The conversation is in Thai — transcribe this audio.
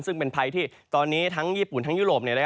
ซึ่งเป็นภัยที่ตอนนี้ทั้งญี่ปุ่นทั้งยุโรป